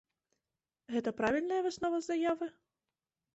Гэта правільная выснова з заявы?